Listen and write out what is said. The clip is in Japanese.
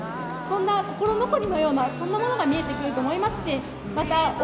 そんな心残りのようなそんなものが見えてくると思いますしまた。